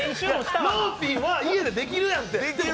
ローピンは家でできるやんて。